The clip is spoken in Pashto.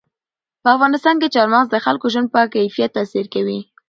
په افغانستان کې چار مغز د خلکو د ژوند په کیفیت تاثیر کوي.